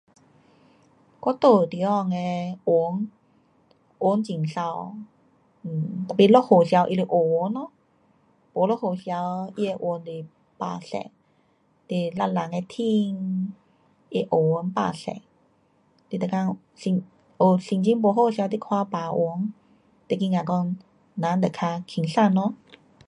我住地方的云，云很美，[um]tapi 下雨时候它是乌云咯。没下雨时候它的云是白色，底蓝蓝的天，那乌云白色。你每天心，哦心情不好时候你看白云，你觉得讲人就较轻松咯。